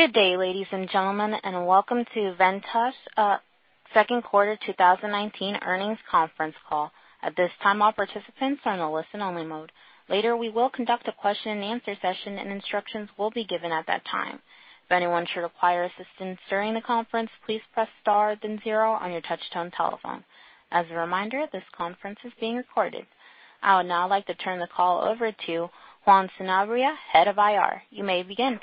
Good day, ladies and gentlemen, Welcome to Ventas' Q2 2019 Earnings Conference Call. At this time, all participants are in a listen-only mode. Later, we will conduct a question-and-answer session, instructions will be given at that time. If anyone should require assistance during the conference, please press star then zero on your touch-tone telephone. As a reminder, this conference is being recorded. I would now like to turn the call over to Juan Sanabria, Head of IR. You may begin.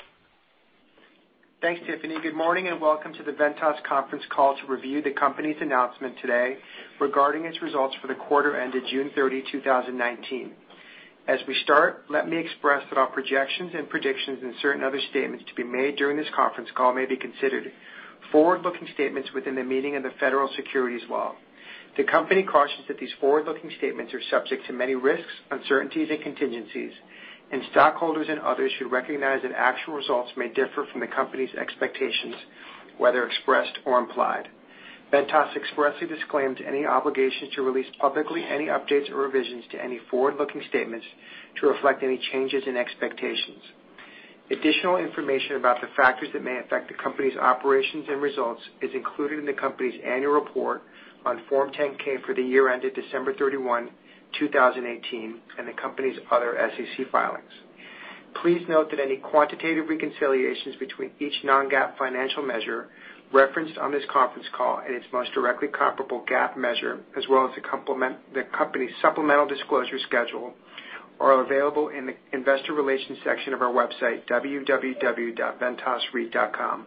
Thanks, Tiffany. Good morning and welcome to the Ventas conference call to review the company's announcement today regarding its results for the quarter-ended June 30, 2019. As we start, let me express that our projections and predictions and certain other statements to be made during this conference call may be considered forward-looking statements within the meaning of the Federal Securities law. The company cautions that these forward-looking statements are subject to many risks, uncertainties, and contingencies, and stockholders and others should recognize that actual results may differ from the company's expectations, whether expressed or implied. Ventas expressly disclaims any obligation to release publicly any updates or revisions to any forward-looking statements to reflect any changes in expectations. Additional information about the factors that may affect the company's operations and results is included in the company's annual report on Form 10-K for the year ended December 31, 2018. The company's other SEC filings. Please note that any quantitative reconciliations between each non-GAAP financial measure referenced on this conference call and its most directly comparable GAAP measure, as well as the company's supplemental disclosure schedule, are available in the investor relations section of our website, www.ventasreit.com.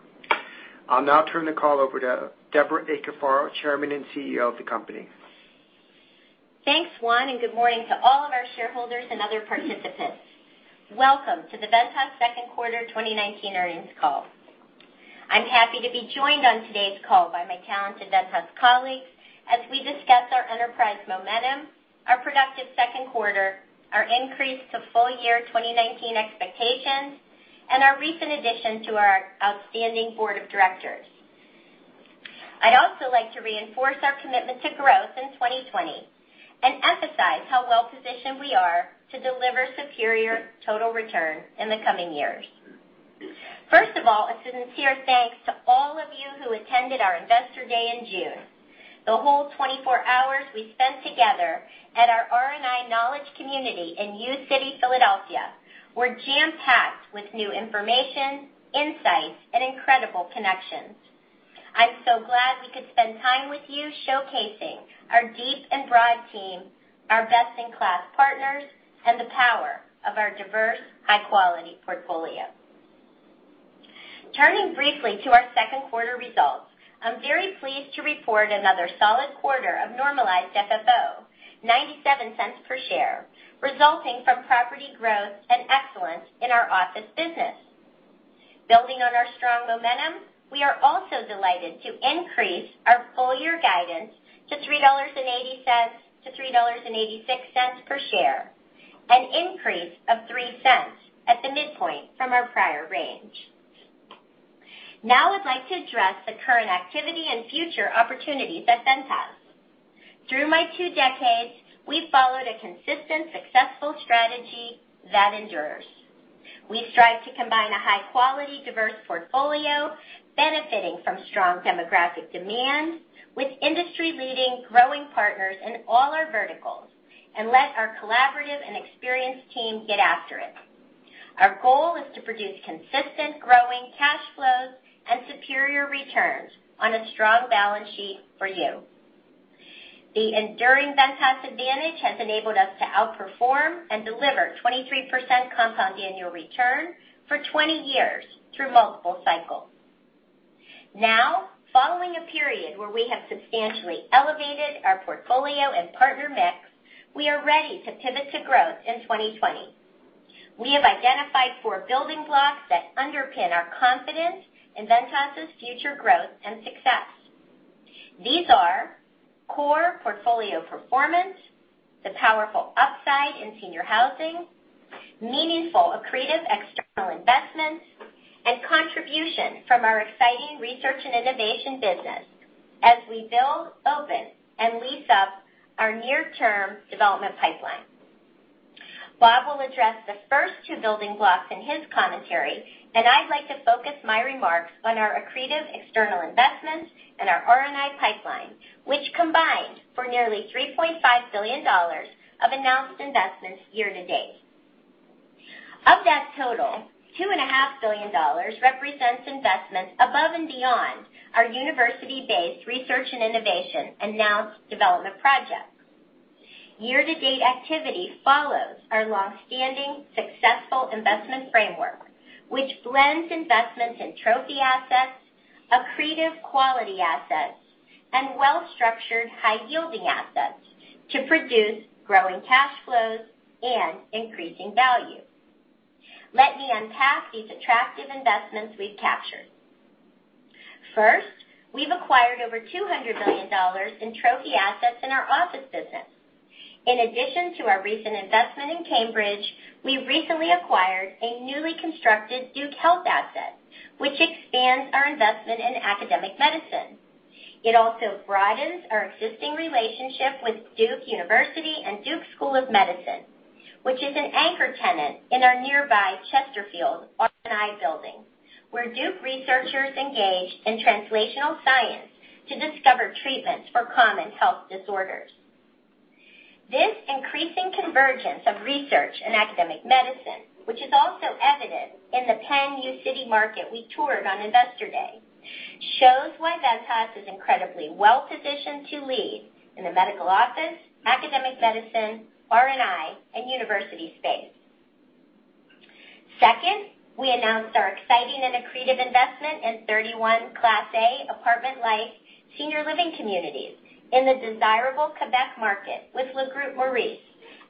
I'll now turn the call over to Debra Cafaro, Chairman and CEO of the company. Thanks, Juan. Good morning to all of our shareholders and other participants. Welcome to the Ventas Q2 2019 earnings call. I'm happy to be joined on today's call by my talented Ventas colleagues as we discuss our enterprise momentum, our productive Q2, our increase to full-year 2019 expectations, and our recent addition to our outstanding board of directors. I'd also like to reinforce our commitment to growth in 2020 and emphasize how well-positioned we are to deliver superior total return in the coming years. First of all, a sincere thanks to all of you who attended our Investor Day in June. The whole 24 hours we spent together at our R&I Knowledge Community in uCity, Philadelphia, were jam-packed with new information, insights, and incredible connections. I'm so glad we could spend time with you showcasing our deep and broad team, our best-in-class partners, and the power of our diverse, high-quality portfolio. Turning briefly to our Q2 results, I'm very pleased to report another solid quarter of normalized FFO, $0.97 per share, resulting from property growth and excellence in our office business. Building on our strong momentum, we are also delighted to increase our full-year guidance to $3.80-$3.86 per share, an increase of $0.03 at the midpoint from our prior range. I'd like to address the current activity and future opportunities at Ventas. Through my two decades, we've followed a consistent, successful strategy that endures. We strive to combine a high-quality, diverse portfolio benefiting from strong demographic demand with industry-leading growing partners in all our verticals and let our collaborative and experienced team get after it. Our goal is to produce consistent growing cash flows and superior returns on a strong balance sheet for you. The enduring Ventas advantage has enabled us to outperform and deliver 23% compound annual return for 20 years through multiple cycles. Following a period where we have substantially elevated our portfolio and partner mix, we are ready to pivot to growth in 2020. We have identified four building blocks that underpin our confidence in Ventas' future growth and success. These are core portfolio performance, the powerful upside in senior housing, meaningful accretive external investments, and contribution from our exciting Research and Innovation business as we build, open, and lease up our near-term development pipeline. Bob will address the first two building blocks in his commentary. I'd like to focus my remarks on our accretive external investments and our R&I pipeline, which combined for nearly $3.5 billion of announced investments year-to-date. Of that total, $2.5 billion represents investments above and beyond our university-based Research & Innovation announced development projects. Year-to-date activity follows our longstanding successful investment framework, which blends investments in trophy assets, accretive quality assets, and well-structured, high-yielding assets to produce growing cash flows and increasing value. Let me unpack these attractive investments we've captured. First, we've acquired over $200 million in trophy assets in our office business. In addition to our recent investment in Cambridge, we recently acquired a newly constructed Duke Health asset, which expands our investment in academic medicine. It also broadens our existing relationship with Duke University and Duke School of Medicine, which is an anchor tenant in our nearby Chesterfield R&I building, where Duke researchers engage in translational science to discover treatments for common health disorders. This increasing convergence of research and academic medicine, which is also evident in the Penn uCity Square we toured on Investor Day, shows why Ventas is incredibly well-positioned to lead in the medical office, academic medicine, R&I, and university space. Second, we announced our exciting and accretive investment in 31 Class A apartment-like senior living communities in the desirable Quebec market with Le Groupe Maurice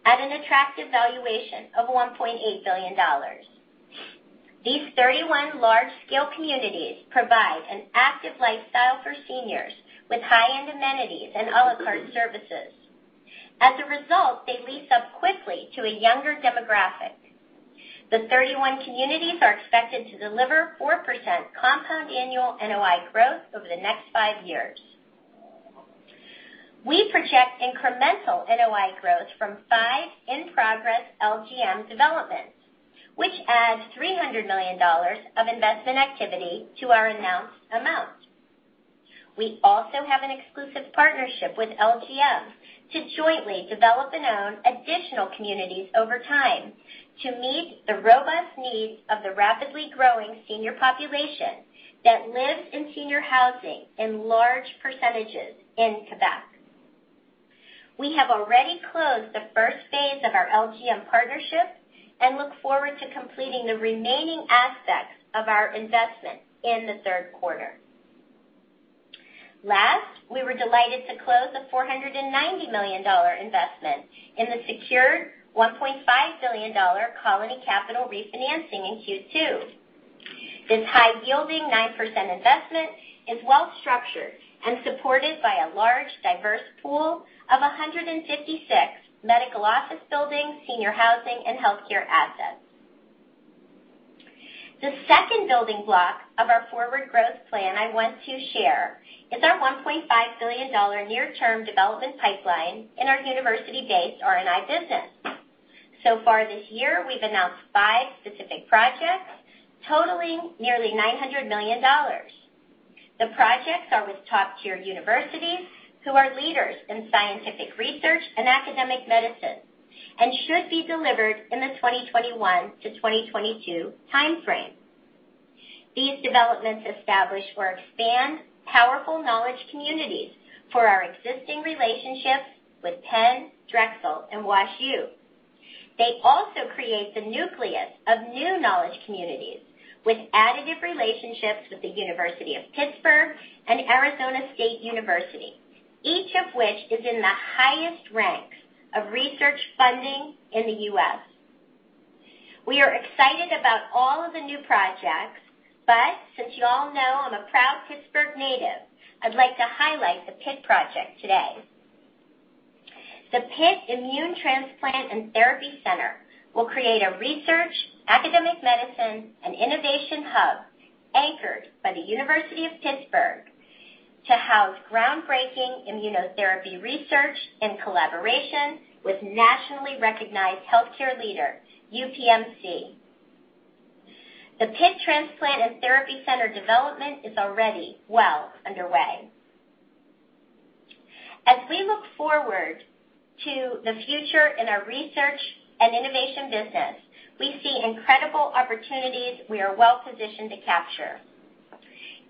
at an attractive valuation of $1.8 billion. These 31 large-scale communities provide an active lifestyle for seniors with high-end amenities and à la carte services. As a result, they lease up quickly to a younger demographic. The 31 communities are expected to deliver 4% compound annual NOI growth over the next five years. We project incremental NOI growth from five in-progress LGM developments, which adds $300 million of investment activity to our announced amount. We also have an exclusive partnership with LGM to jointly develop and own additional communities over time to meet the robust needs of the rapidly growing senior population that lives in senior housing in large percentages in Quebec. We have already closed the first phase of our LGM partnership and look forward to completing the remaining aspects of our investment in the Q3. We were delighted to close the $490 million investment in the secured $1.5 billion Colony Capital refinancing in Q2. This high-yielding 9% investment is well-structured and supported by a large, diverse pool of 156 medical office buildings, senior housing, and healthcare assets. The second building block of our forward growth plan I want to share is our $1.5 billion near-term development pipeline in our university-based R&I business. Far this year, we've announced five specific projects totaling nearly $900 million. The projects are with top-tier universities who are leaders in scientific research and academic medicine and should be delivered in the 2021 to 2022 timeframe. These developments establish or expand powerful knowledge communities for our existing relationships with Penn, Drexel, and WashU. They also create the nucleus of new knowledge communities with additive relationships with the University of Pittsburgh and Arizona State University, each of which is in the highest ranks of research funding in the U.S. We are excited about all of the new projects, but since you all know I'm a proud Pittsburgh native, I'd like to highlight the Pitt project today. The Pitt Immune Transplant & Therapy Center will create a research, academic medicine, and innovation hub anchored by the University of Pittsburgh to house groundbreaking immunotherapy research in collaboration with nationally recognized healthcare leader UPMC. The Pitt Transplant and Therapy Center development is already well underway. As we look forward to the future in our research and innovation business, we see incredible opportunities we are well-positioned to capture.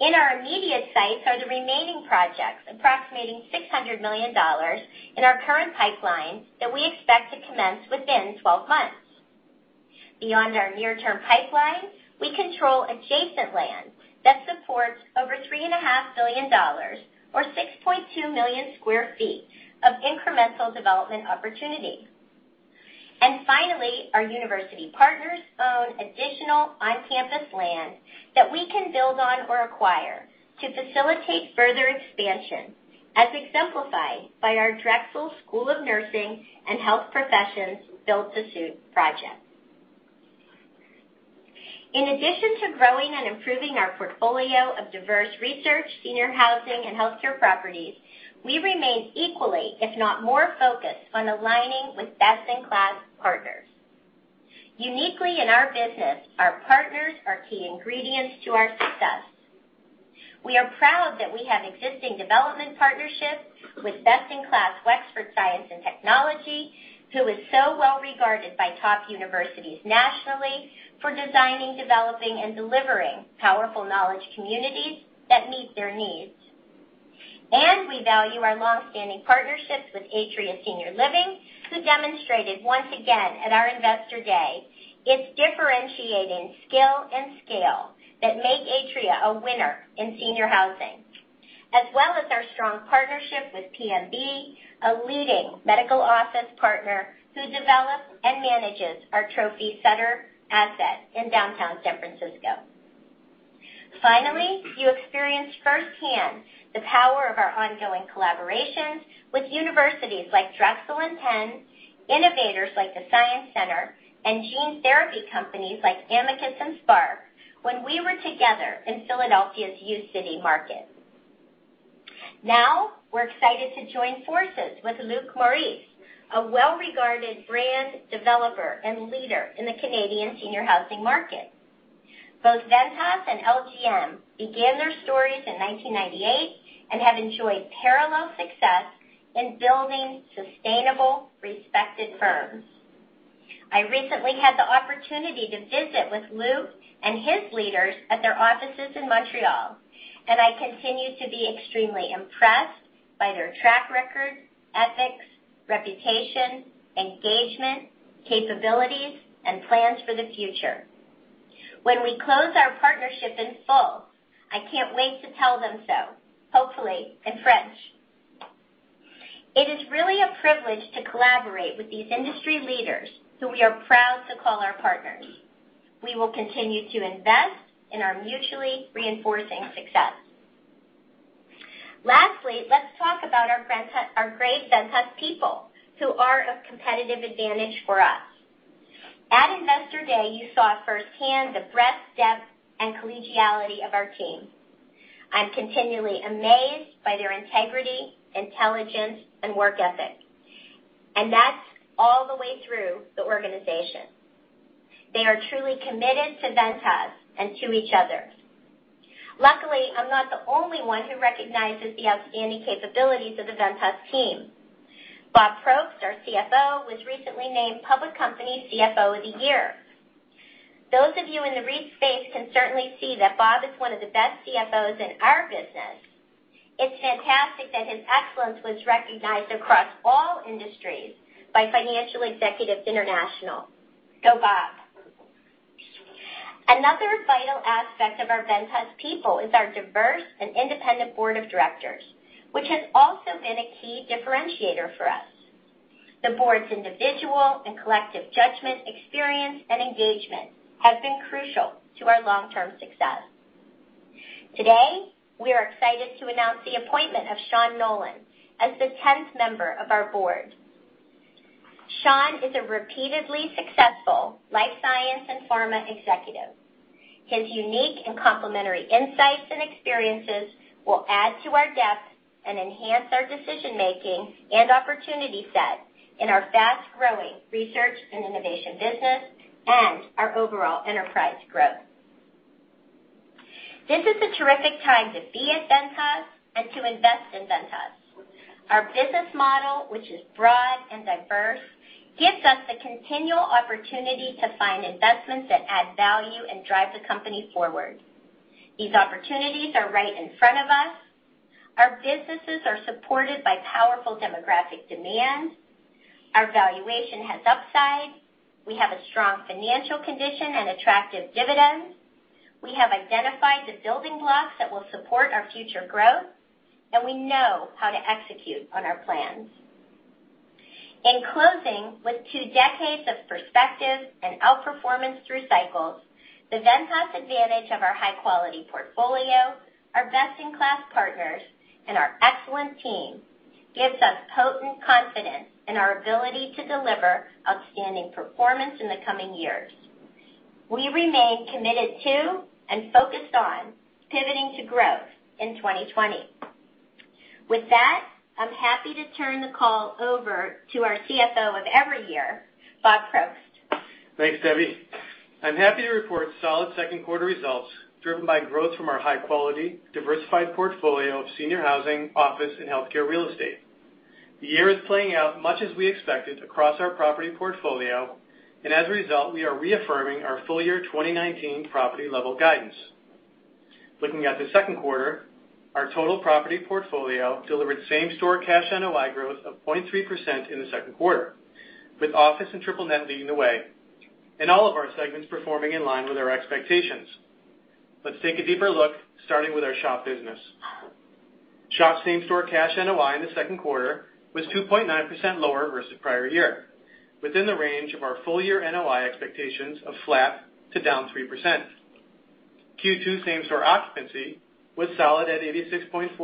In our immediate sights are the remaining projects approximating $600 million in our current pipeline that we expect to commence within 12 months. Beyond our near-term pipeline, we control adjacent land that supports over $3.5 billion, or 6.2 million sq ft of incremental development opportunity. Finally, our university partners own additional on-campus land that we can build on or acquire to facilitate further expansion, as exemplified by our Drexel School of Nursing and Health Professions build-to-suit project. In addition to growing and improving our portfolio of diverse research, senior housing, and healthcare properties, we remain equally, if not more focused, on aligning with best-in-class partners. Uniquely in our business, our partners are key ingredients to our success. We are proud that we have existing development partnerships with best-in-class Wexford Science & Technology, who is so well-regarded by top universities nationally for designing, developing, and delivering powerful knowledge communities that meet their needs. We value our long-standing partnerships with Atria Senior Living, who demonstrated once again at our Investor Day its differentiating skill and scale that make Atria a winner in senior housing, as well as our strong partnership with PMB, a leading medical office partner who develops and manages our trophy Sutter asset in downtown San Francisco. Finally, you experienced firsthand the power of our ongoing collaborations with universities like Drexel and Penn, innovators like the Science Center, and gene therapy companies like Amicus and Spark. When we were together in Philadelphia's uCity Square. Now we're excited to join forces with Luc Maurice, a well-regarded brand developer and leader in the Canadian senior housing market. Both Ventas and LGM began their stories in 1998 and have enjoyed parallel success in building sustainable, respected firms. I recently had the opportunity to visit with Luc and his leaders at their offices in Montreal, and I continue to be extremely impressed by their track record, ethics, reputation, engagement, capabilities, and plans for the future. When we close our partnership in full, I can't wait to tell them so, hopefully in French. It is really a privilege to collaborate with these industry leaders who we are proud to call our partners. We will continue to invest in our mutually reinforcing success. Lastly, let's talk about our great Ventas people who are a competitive advantage for us. At Investor Day, you saw firsthand the breadth, depth, and collegiality of our team. I'm continually amazed by their integrity, intelligence, and work ethic, and that's all the way through the organization. They are truly committed to Ventas and to each other. Luckily, I'm not the only one who recognizes the outstanding capabilities of the Ventas team. Bob Probst, our CFO, was recently named Public Company CFO of the Year. Those of you in the REIT space can certainly see that Bob is one of the best CFOs in our business. It's fantastic that his excellence was recognized across all industries by Financial Executives International. Go, Bob. Another vital aspect of our Ventas people is our diverse and independent board of directors, which has also been a key differentiator for us. The board's individual and collective judgment, experience, and engagement have been crucial to our long-term success. Today, we are excited to announce the appointment of Sean Nolan as the 10th member of our board. Sean is a repeatedly successful life science and pharma executive. His unique and complementary insights and experiences will add to our depth and enhance our decision-making and opportunity set in our fast-growing Research and Innovation business and our overall enterprise growth. This is a terrific time to be at Ventas and to invest in Ventas. Our business model, which is broad and diverse, gives us the continual opportunity to find investments that add value and drive the company forward. These opportunities are right in front of us. Our businesses are supported by powerful demographic demand. Our valuation has upside. We have a strong financial condition and attractive dividends. We have identified the building blocks that will support our future growth, and we know how to execute on our plans. In closing, with two decades of perspective and outperformance through cycles, the Ventas advantage of our high-quality portfolio, our best-in-class partners, and our excellent team gives us potent confidence in our ability to deliver outstanding performance in the coming years. We remain committed to and focused on pivoting to growth in 2020. With that, I'm happy to turn the call over to our CFO of every year, Bob Probst. Thanks, Debbie. I'm happy to report solid Q2 results driven by growth from our high-quality, diversified portfolio of senior housing, office, and healthcare real estate. The year is playing out much as we expected across our property portfolio, and as a result, we are reaffirming our full-year 2019 property-level guidance. Looking at the Q2, our total property portfolio delivered same store cash NOI growth of 0.3% in the Q2, with office and triple-net leading the way, and all of our segments performing in line with our expectations. Let's take a deeper look, starting with our SHOP business. SHOP same store cash NOI in the Q2 was 2.9% lower versus prior year, within the range of our full-year NOI expectations of flat to down 3%. Q2 same store occupancy was solid at 86.4%,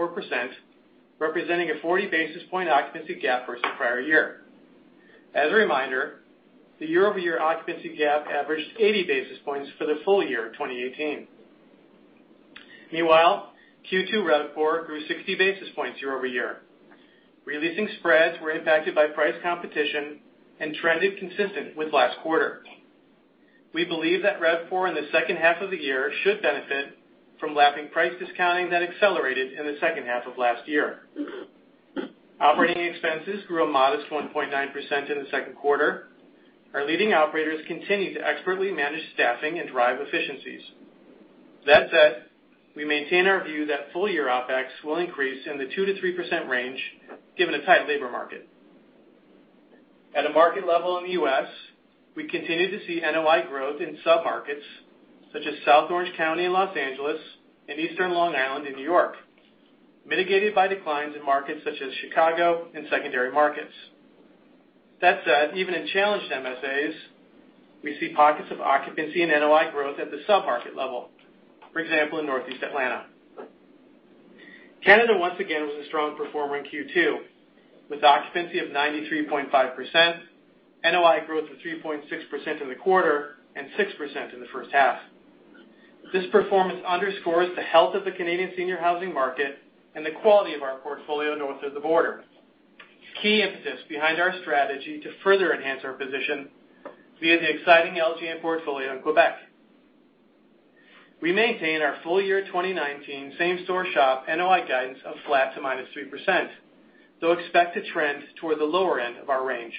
representing a 40-basis-point occupancy gap versus prior year. As a reminder, the year-over-year occupancy gap averaged 80 basis points for the full-year of 2018. Meanwhile, Q2 RevPOR grew 60 basis points year-over-year. Releasing spreads were impacted by price competition and trended consistent with last quarter. We believe that RevPOR in the second half of the year should benefit from lapping price discounting that accelerated in the second half of last year. Operating expenses grew a modest 1.9% in the Q2. Our leading operators continue to expertly manage staffing and drive efficiencies. That said, we maintain our view that full-year OpEx will increase in the 2% to 3% range given the tight labor market. At a market level in the U.S., we continue to see NOI growth in submarkets such as South Orange County and Los Angeles and Eastern Long Island and New York, mitigated by declines in markets such as Chicago and secondary markets. That said, even in challenged MSAs, we see pockets of occupancy and NOI growth at the submarket level. For example, in Northeast Atlanta. Canada, once again, was a strong performer in Q2 with occupancy of 93.5%, NOI growth of 3.6% in the quarter, and 6% in the first half. This performance underscores the health of the Canadian senior housing market and the quality of our portfolio north of the border. It's key emphasis behind our strategy to further enhance our position via the exciting LGM portfolio in Quebec. We maintain our full-year 2019 same-store SHOP NOI guidance of flat to -3%, though expect to trend toward the lower end of our range.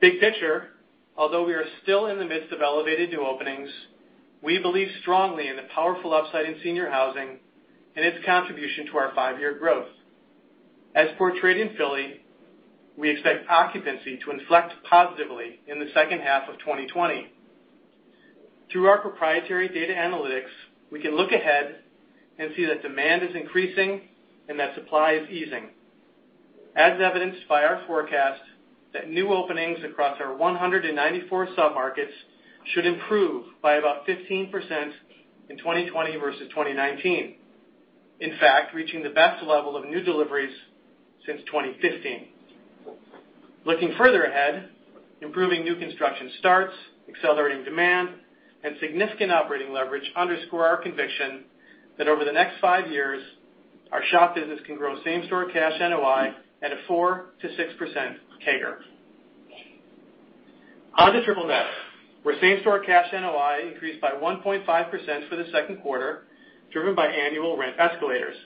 Big picture, although we are still in the midst of elevated new openings, we believe strongly in the powerful upside in senior housing and its contribution to our five-year growth. As portrayed in Philly, we expect occupancy to inflect positively in the second half of 2020. Through our proprietary data analytics, we can look ahead and see that demand is increasing and that supply is easing, as evidenced by our forecast that new openings across our 194 sub-markets should improve by about 15% in 2020 versus 2019, in fact, reaching the best level of new deliveries since 2015. Looking further ahead, improving new construction starts, accelerating demand, and significant operating leverage underscore our conviction that over the next five years, our SHOP business can grow same-store cash NOI at a 4%-6% CAGR. On to triple-net, where same-store cash NOI increased by 1.5% for the Q2, driven by annual rent escalators.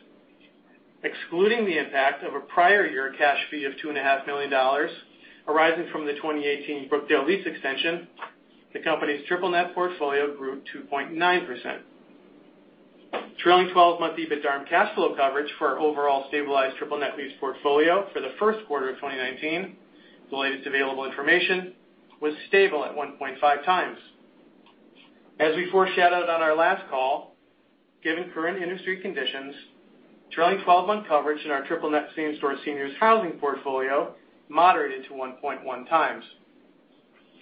Excluding the impact of a prior year cash fee of $2.5 million arising from the 2018 Brookdale lease extension, the company's triple-net portfolio grew 2.9%. Trailing 12-month EBITDA and cash flow coverage for our overall stabilized triple-net lease portfolio for the Q1 of 2019, the latest available information, was stable at 1.5x. As we foreshadowed on our last call, given current industry conditions, trailing 12-month coverage in our triple-net same-store seniors housing portfolio moderated to 1.1x.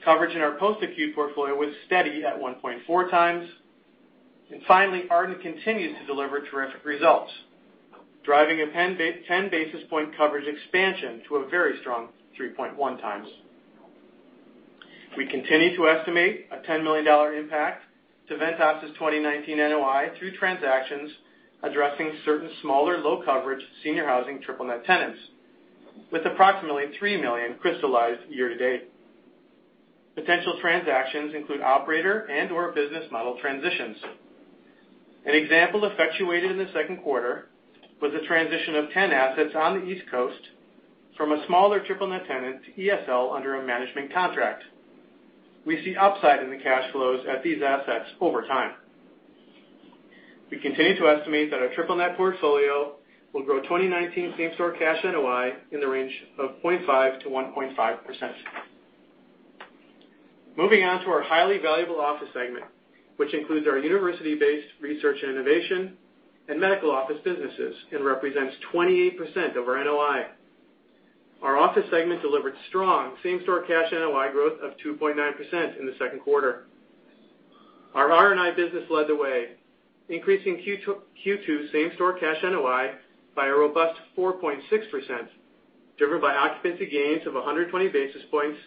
Coverage in our post-acute portfolio was steady at 1.4x. Finally, Ardent continues to deliver terrific results, driving a 10-basis point coverage expansion to a very strong 3.1x. We continue to estimate a $10 million impact to Ventas' 2019 NOI through transactions addressing certain smaller, low-coverage, senior housing triple-net tenants, with approximately $3 million crystallized year-to-date. Potential transactions include operator and/or business model transitions. An example effectuated in the Q2 was the transition of 10 assets on the East Coast from a smaller triple-net tenant to ESL under a management contract. We see upside in the cash flows at these assets over time. We continue to estimate that our triple-net portfolio will grow 2019 same-store cash NOI in the range of 0.5%-1.5%. Moving on to our highly valuable office segment, which includes our university-based research and innovation and medical office businesses and represents 28% of our NOI. Our office segment delivered strong same-store cash NOI growth of 2.9% in the Q2. Our R&I business led the way, increasing Q2 same-store cash NOI by a robust 4.6%, driven by occupancy gains of 120 basis points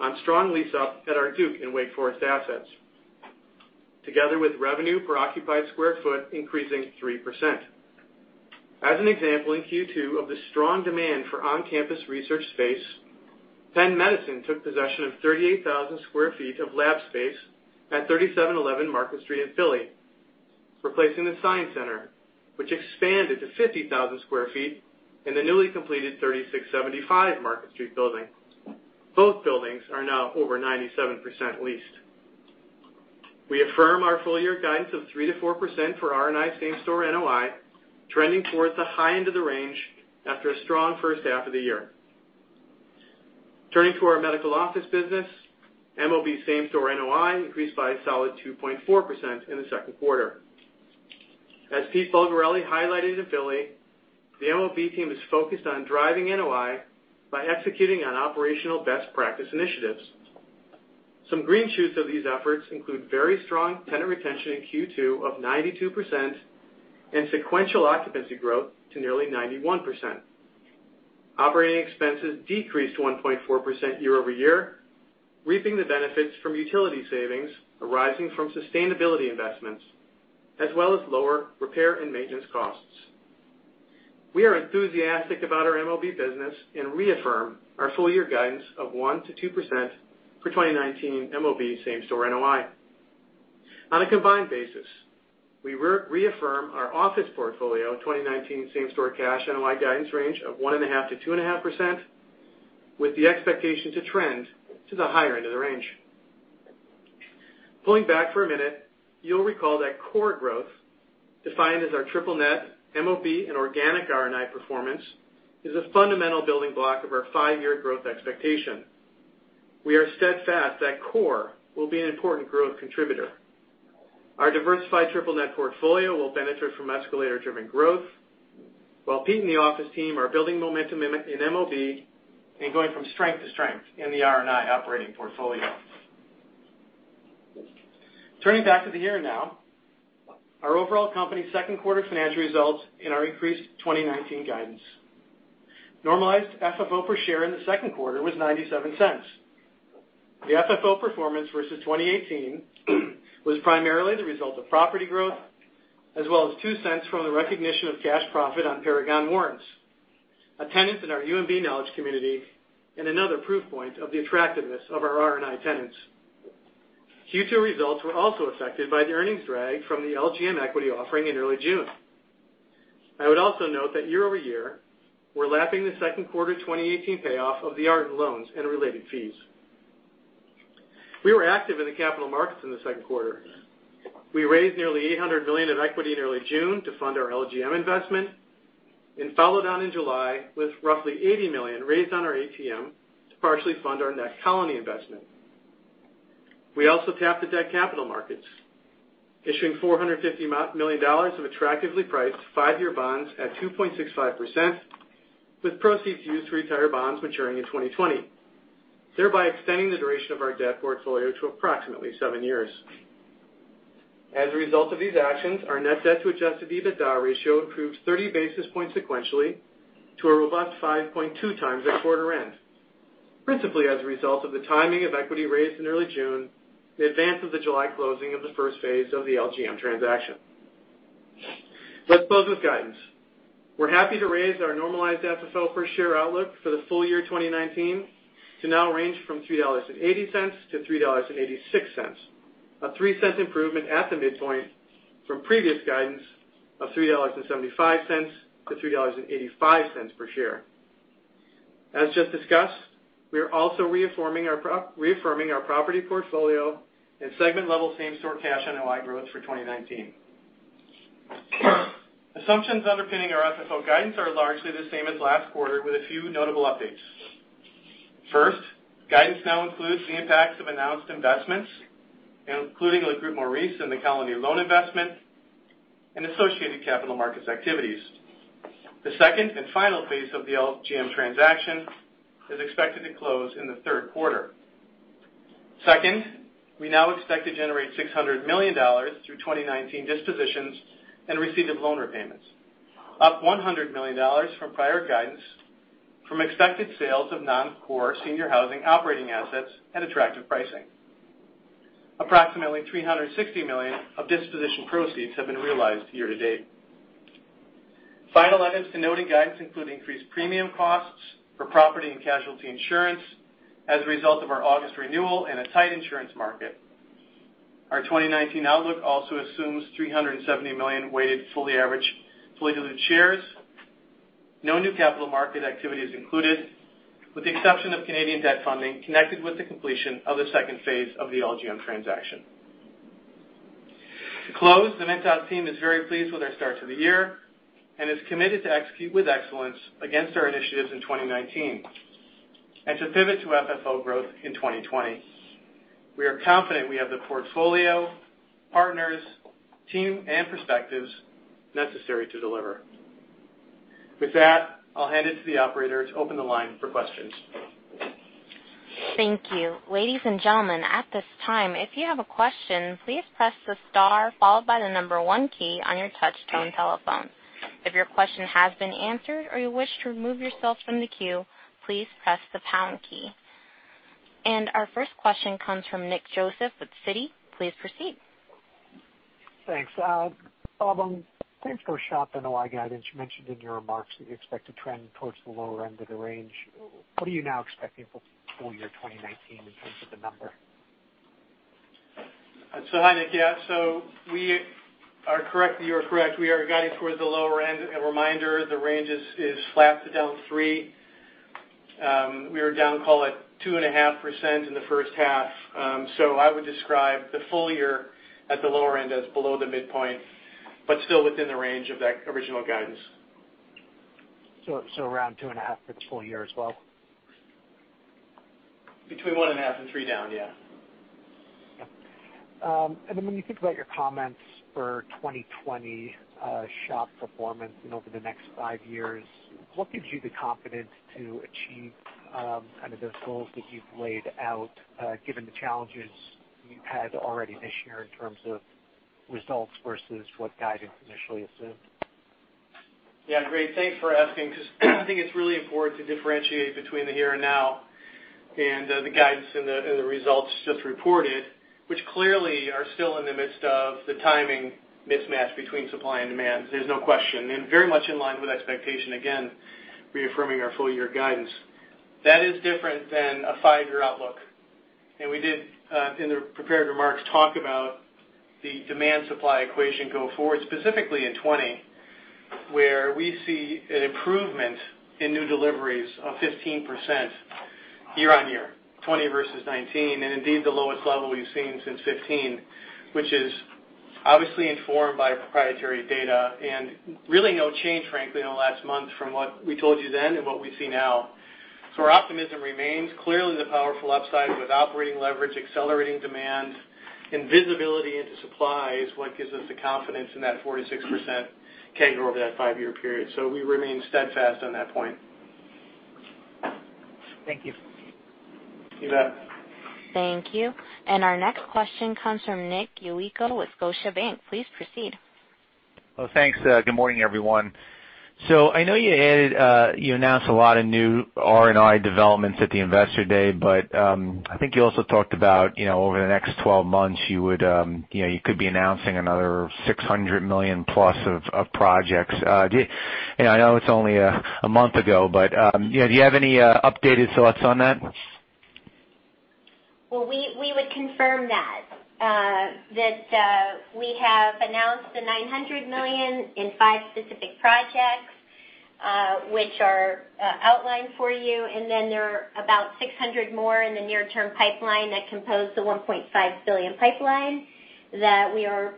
on strong lease up at our Duke and Wake Forest assets. Together with revenue per occupied square foot increasing 3%. As an example in Q2 of the strong demand for on-campus research space, Penn Medicine took possession of 38,000 sq ft of lab space at 3711 Market Street in Philly, replacing the Science Center, which expanded to 50,000 sq ft in the newly completed 3675 Market Street building. Both buildings are now over 97% leased. We affirm our full-year guidance of 3%-4% for R&I same-store NOI, trending towards the high end of the range after a strong first half of the year. Turning to our medical office business, MOB same-store NOI increased by a solid 2.4% in the Q2. As Pete Bulgarelli highlighted in Philly, the MOB team is focused on driving NOI by executing on operational best practice initiatives. Some green shoots of these efforts include very strong tenant retention in Q2 of 92% and sequential occupancy growth to nearly 91%. Operating expenses decreased to 1.4% year-over-year, reaping the benefits from utility savings arising from sustainability investments, as well as lower repair and maintenance costs. We are enthusiastic about our MOB business and reaffirm our full-year guidance of 1%-2% for 2019 MOB same-store NOI. On a combined basis, we reaffirm our office portfolio 2019 same store cash NOI guidance range of 1.5%-2.5%, with the expectation to trend to the higher end of the range. Pulling back for a minute, you'll recall that core growth, defined as our triple-net, MOB, and organic R&I performance, is a fundamental building block of our five-year growth expectation. We are steadfast that core will be an important growth contributor. Our diversified triple-net portfolio will benefit from escalator-driven growth, while Pete and the office team are building momentum in MOB and going from strength to strength in the R&I operating portfolio. Turning back to the here and now, our overall company's Q2 financial results and our increased 2019 guidance. Normalized FFO per share in the Q2 was $0.97. The FFO performance versus 2018 was primarily the result of property growth, as well as $0.02 from the recognition of cash profit on Paragon Warrants, a tenant in our UMB knowledge community, and another proof point of the attractiveness of our R&I tenants. Q2 results were also affected by the earnings drag from the LGM equity offering in early June. I would also note that year-over-year, we're lapping the Q2 2018 payoff of the Ardent loans and related fees. We were active in the capital markets in the Q2. We raised nearly $800 million of equity in early June to fund our LGM investment. Followed on in July with roughly $80 million raised on our ATM to partially fund our Colony investment. We also tapped the debt capital markets, issuing $450 million of attractively priced five-year bonds at 2.65%, with proceeds used to retire bonds maturing in 2020, thereby extending the duration of our debt portfolio to approximately seven years. As a result of these actions, our net debt to adjusted EBITDA ratio improved 30 basis points sequentially to a robust 5.2x at quarter-end, principally as a result of the timing of equity raised in early June in advance of the July closing of the first phase of the LGM transaction. Let's close with guidance. We're happy to raise our normalized FFO per share outlook for the full-year 2019 to now range from $3.80-$3.86, a $0.03 improvement at the midpoint from previous guidance of $3.75-$3.85 per share. As just discussed, we are also reaffirming our property portfolio and segment-level same-store cash NOI growth for 2019. Assumptions underpinning our FFO guidance are largely the same as last quarter, with a few notable updates. Guidance now includes the impacts of announced investments, including Le Groupe Maurice and the Colony loan investment, and associated capital markets activities. The second and final phase of the LGM transaction is expected to close in the Q3. We now expect to generate $600 million through 2019 dispositions and receipt of loan repayments, up $100 million from prior guidance from expected sales of non-core senior housing operating assets and attractive pricing. Approximately $360 million of disposition proceeds have been realized year-to-date. Final items to note in guidance include increased premium costs for property and casualty insurance as a result of our August renewal and a tight insurance market. Our 2019 outlook also assumes $370 million weighted fully average, fully-diluted shares. No new capital market activity is included, with the exception of Canadian debt funding connected with the completion of the second phase of the LGM transaction. To close, the Ventas team is very pleased with our start to the year, and is committed to execute with excellence against our initiatives in 2019 and to pivot to FFO growth in 2020. We are confident we have the portfolio, partners, team, and perspectives necessary to deliver. With that, I'll hand it to the operator to open the line for questions. Thank you. Ladies and gentlemen, at this time, if you have a question, please press the star followed by the number one key on your touch-tone telephone. If your question has been answered or you wish to remove yourself from the queue, please press the pound key. Our first question comes from Nick Joseph with Citi. Please proceed. Thanks. Bob, thanks for SHOP NOI guidance. You mentioned in your remarks that you expect to trend towards the lower end of the range. What are you now expecting for full-year 2019 in terms of the number? Hi, Nick. Yeah. You are correct. We are guiding towards the lower end. A reminder, the range is flat to down three. We are down call it 2.5% in the first half. I would describe the full-year at the lower end as below the midpoint, but still within the range of that original guidance. Around 2.5% for the full-year as well? Between 1.5% and 3% down, yeah. Yeah. Then when you think about your comments for 2020 SHOP performance and over the next five years, what gives you the confidence to achieve kind of those goals that you've laid out, given the challenges you've had already this year in terms of results versus what guidance initially assumed? Yeah, great. Thanks for asking, because I think it's really important to differentiate between the here and now and the guidance and the results just reported, which clearly are still in the midst of the timing mismatch between supply and demand. There's no question. Very much in line with expectation, again, reaffirming our full-year guidance. That is different than a five-year outlook. We did, in the prepared remarks, talk about the demand-supply equation go forward, specifically in 2020, where we see an improvement in new deliveries of 15% year-on-year, 2020 versus 2019, and indeed the lowest level we've seen since 2015, which is obviously informed by proprietary data, and really no change, frankly, in the last month from what we told you then and what we see now. Our optimism remains. Clearly, the powerful upside with operating leverage, accelerating demand, and visibility into supply is what gives us the confidence in that 4%-6% CAGR over that five-year period. We remain steadfast on that point. Thank you. You bet. Thank you. Our next question comes from Nick Yulico with Scotiabank. Please proceed. Well, thanks. Good morning, everyone. I know you announced a lot of new R&I developments at the Investor Day, but I think you also talked about over the next 12 months, you could be announcing another $600 million+ of projects. I know it's only a month ago, but do you have any updated thoughts on that? Well, we would confirm that. We have announced the $900 million in five specific projects, which are outlined for you, and then there are about $600 million more in the near-term pipeline that compose the $1.5 billion pipeline that we are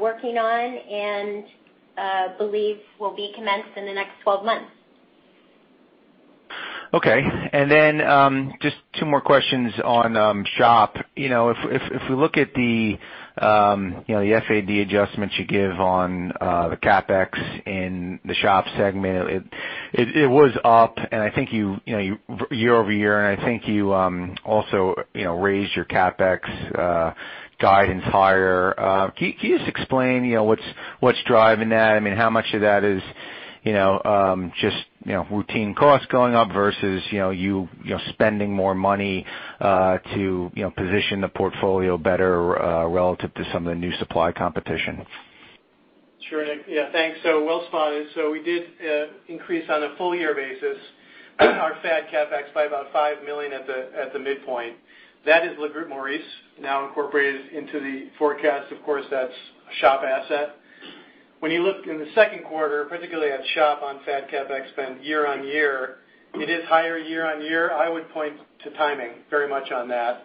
working on and believe will be commenced in the next 12 months. Okay. Just two more questions on SHOP. If we look at the FAD adjustments you give on the CapEx in the SHOP segment, it was up year-over-year, and I think you also raised your CapEx guidance higher. Can you just explain what's driving that? How much of that is just routine costs going up versus you spending more money to position the portfolio better, relative to some of the new supply competition? Sure. Nick. Yeah, thanks. Well spotted. We did increase on a full-year basis, our FAD CapEx by about $5 million at the midpoint. That is Le Groupe Maurice now incorporated into the forecast. Of course, that's a SHOP asset. When you look in the Q2, particularly at SHOP on FAD CapEx spend year-on-year, it is higher year-on-year. I would point to timing very much on that.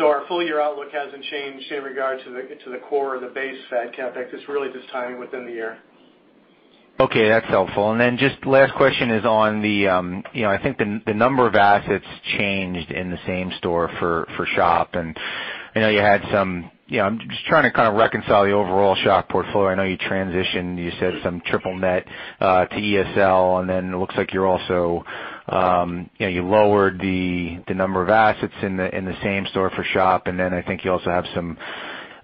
Our full-year outlook hasn't changed in regard to the core of the base FAD CapEx. It's really just timing within the year. Okay, that's helpful. Just last question is on the, I think the number of assets changed in the same-store for SHOP. I'm just trying to reconcile the overall SHOP portfolio. I know you transitioned, you said some triple-net to ESL. It looks like you lowered the number of assets in the same-store for SHOP. I think you also have some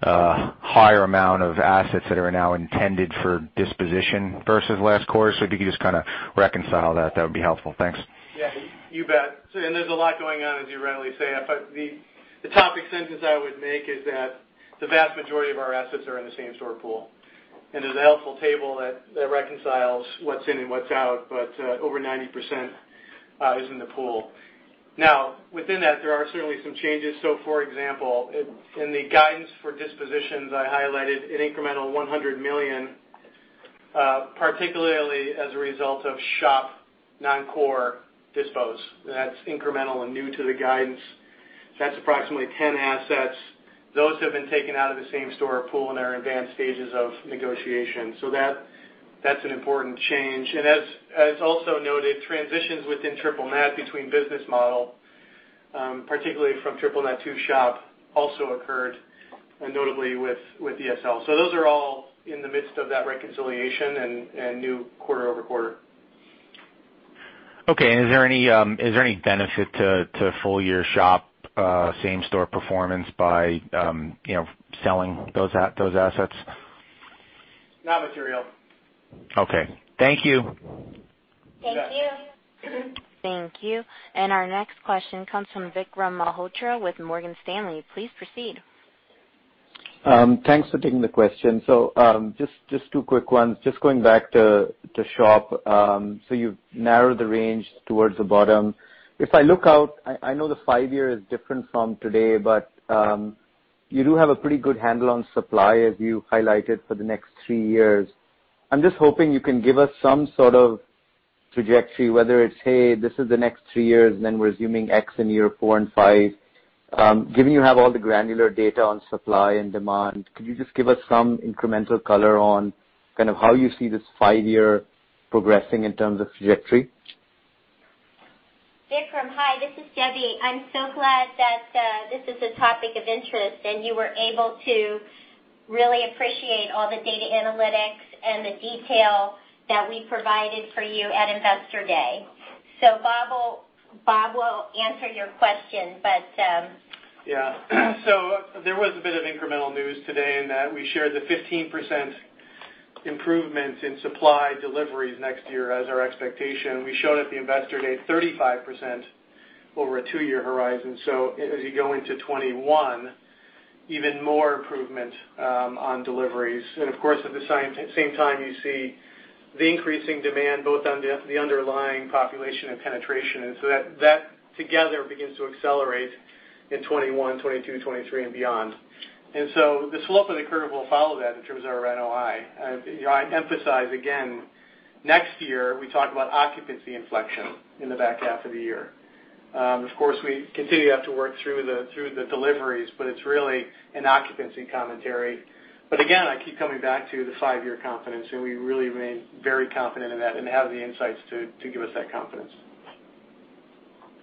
higher amount of assets that are now intended for disposition versus last quarter. If you could just kind of reconcile that would be helpful. Thanks. Yeah, you bet. There's a lot going on, as you rightly say. The topic sentence I would make is that the vast majority of our assets are in the same-store pool. There's a helpful table that reconciles what's in and what's out, but over 90% is in the pool. Within that, there are certainly some changes. For example, in the guidance for dispositions, I highlighted an incremental $100 million, particularly as a result of SHOP non-core dispos. That's incremental and new to the guidance. That's approximately 10 assets. Those have been taken out of the same-store pool and are in advanced stages of negotiation. As also noted, transitions within triple-net between business model, particularly from triple-net to SHOP, also occurred, and notably with ESL. Those are all in the midst of that reconciliation and new quarter-over-quarter. Okay. Is there any benefit to full-year SHOP same-store performance by selling those assets? Not material. Okay. Thank you. Thank you. Thank you. Our next question comes from Vikram Malhotra with Morgan Stanley. Please proceed. Thanks for taking the question. Just two quick ones. Just going back to SHOP. You've narrowed the range towards the bottom. If I look out, I know the five-year is different from today, but, you do have a pretty good handle on supply as you highlighted for the next three years. I'm just hoping you can give us some sort of trajectory, whether it's, hey, this is the next three years, and then we're assuming X in year four and five. Given you have all the granular data on supply and demand, could you just give us some incremental color on kind of how you see this five-year progressing in terms of trajectory? Vikram, hi. This is Debbie. I'm so glad that this is a topic of interest and you were able to really appreciate all the data analytics and the detail that we provided for you at Investor Day. Bob will answer your question. There was a bit of incremental news today in that we shared the 15% improvement in supply deliveries next year as our expectation. We showed at the Investor Day 35% over a two year horizon. Of course, at the same time, you see the increasing demand both on the underlying population and penetration. That together begins to accelerate in 2021, 2022, 2023 and beyond. The slope of the curve will follow that in terms of our NOI. I emphasize again, next year, we talk about occupancy inflection in the back half of the year. Of course, we continue to have to work through the deliveries, but it is really an occupancy commentary. Again, I keep coming back to the five-year confidence, and we really remain very confident in that and have the insights to give us that confidence.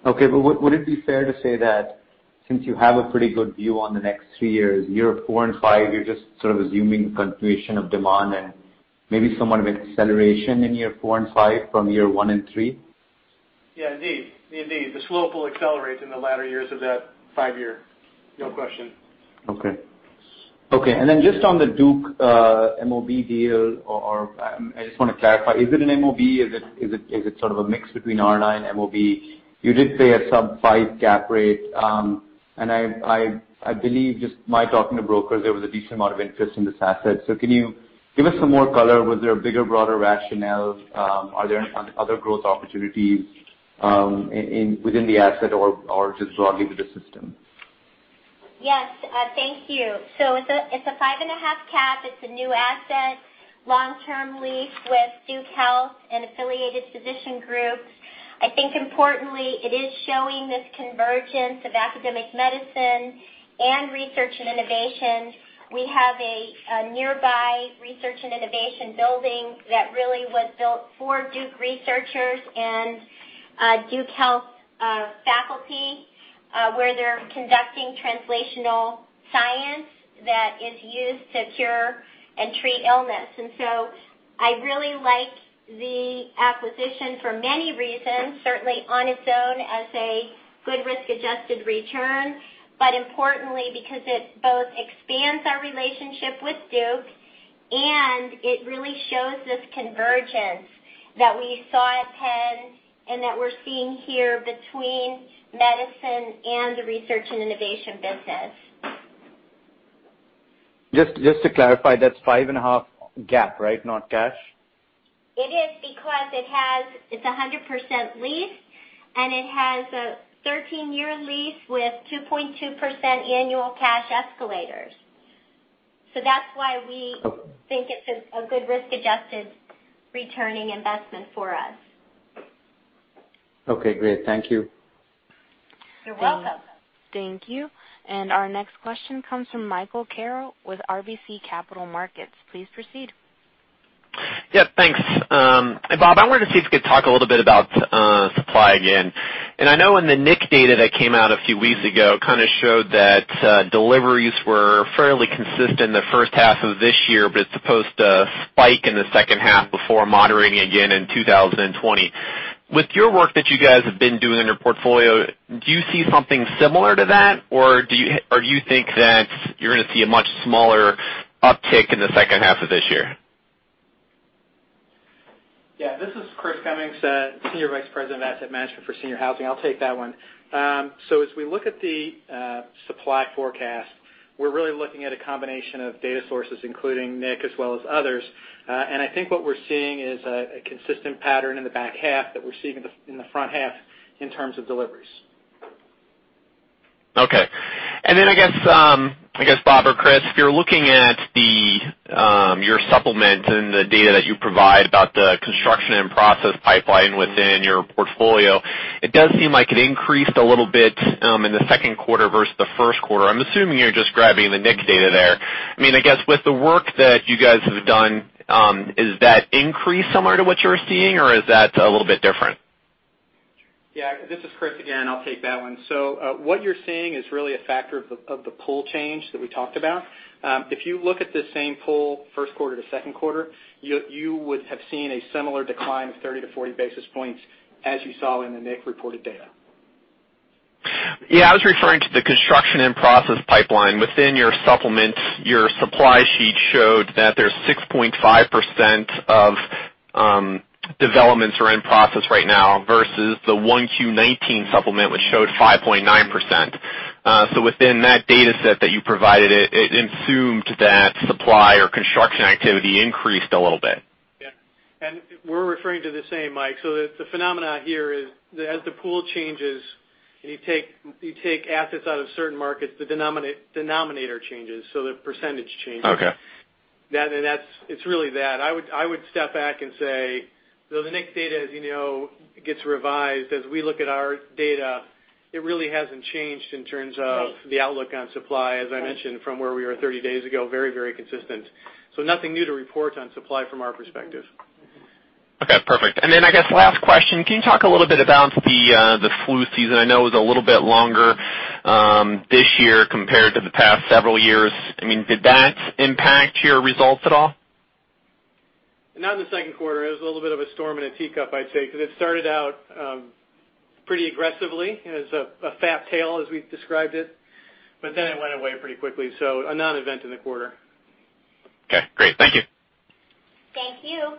Would it be fair to say that since you have a pretty good view on the next three years, year four and five, you're just sort of assuming continuation of demand and maybe somewhat of an acceleration in year four and five from year one and three? Yeah, indeed. The slope will accelerate in the latter years of that five year. No question. Then just on the Duke MOB deal, I just want to clarify, is it an MOB? Is it sort of a mix between R&I, MOB? You did say a sub five cap rate. I believe just my talking to brokers, there was a decent amount of interest in this asset. Can you give us some more color? Was there a bigger, broader rationale? Are there other growth opportunities within the asset or just broadly with the system? Yes. Thank you. It's a 5.5 cap. It's a new asset, long-term lease with Duke Health and affiliated physician groups. Importantly, it is showing this convergence of academic medicine and Research and Innovation. We have a nearby Research and Innovation building that really was built for Duke researchers and Duke Health faculty, where they're conducting translational science that is used to cure and treat illness. I really like the acquisition for many reasons, certainly on its own as a good risk-adjusted return, but importantly because it both expands our relationship with Duke, and it really shows this convergence that we saw at Penn and that we're seeing here between medicine and the Research and Innovation business. Just to clarify, that's 5.5 GAAP, right? Not cash. It is because it's 100% leased. It has a 13-year lease with 2.2% annual cash escalators. That's why we think it's a good risk-adjusted returning investment for us. Okay, great. Thank you. You're welcome. Thank you. Our next question comes from Michael Carroll with RBC Capital Markets. Please proceed. Yeah, thanks. Bob, I wanted to see if you could talk a little bit about supply again. I know in the NIC data that came out a few weeks ago, kind of showed that deliveries were fairly consistent in the first half of this year, but it's supposed to spike in the second half before moderating again in 2020. With your work that you guys have been doing in your portfolio, do you see something similar to that, or do you think that you're going to see a much smaller uptick in the second half of this year? Yeah. This is Chris Cummings, Senior Vice President of Asset Management for Senior Housing. I'll take that one. As we look at the supply forecast, we're really looking at a combination of data sources, including NIC as well as others. I think what we're seeing is a consistent pattern in the back half that we're seeing in the front half in terms of deliveries. Okay. I guess, Bob or Chris, if you're looking at your supplement and the data that you provide about the construction and process pipeline within your portfolio, it does seem like it increased a little bit in the Q2 versus the Q1. I'm assuming you're just grabbing the NIC data there. With the work that you guys have done, is that increase similar to what you were seeing, or is that a little bit different? Yeah. This is Chris again. I'll take that one. What you're seeing is really a factor of the pool change that we talked about. If you look at the same pool, Q1 to Q2, you would have seen a similar decline of 30-40 basis points as you saw in the NIC reported data. Yeah, I was referring to the construction and process pipeline within your supplement. Your supply sheet showed that there's 6.5% of developments are in process right now versus the 1Q 2019 supplement, which showed 5.9%. Within that data set that you provided, it assumed that supply or construction activity increased a little bit. Yeah. We're referring to the same, Mike. The phenomenon here is, as the pool changes and you take assets out of certain markets, the denominator changes, the percentage changes. Okay. It's really that. I would step back and say, though the NIC data, as you know, gets revised as we look at our data, it really hasn't changed in terms of the outlook on supply, as I mentioned, from where we were 30 days ago, very consistent. Nothing new to report on supply from our perspective. Okay, perfect. I guess last question, can you talk a little bit about the flu season? I know it was a little bit longer this year compared to the past several years. Did that impact your results at all? Not in the Q2. It was a little bit of a storm in a teacup, I'd say, because it started out pretty aggressively as a fat tail as we've described it. It went away pretty quickly, so a non-event in the quarter. Okay, great. Thank you. Thank you.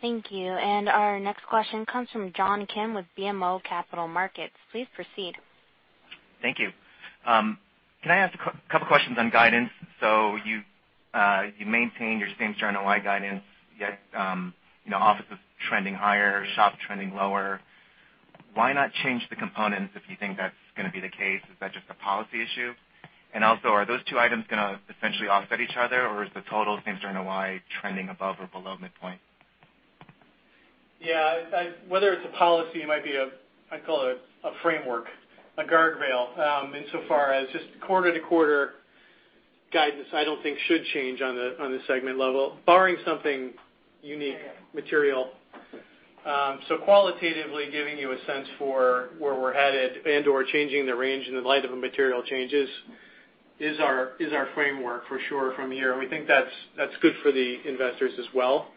Thank you. Our next question comes from John Kim with BMO Capital Markets. Please proceed. Thank you. Can I ask a couple questions on guidance? You maintain your same-store NOI guidance, yet Office is trending higher, SHOPs trending lower. Why not change the components if you think that's going to be the case? Is that just a policy issue? Are those two items going to essentially offset each other, or is the total same-store NOI trending above or below midpoint? Yeah. Whether it's a policy, it might be, I call it a framework, a guardrail. Insofar as just quarter-to-quarter guidance, I don't think should change on the segment level, barring something unique, material. Qualitatively giving you a sense for where we're headed and/or changing the range in light of the material changes is our framework for sure from here. We think that's good for the investors as well.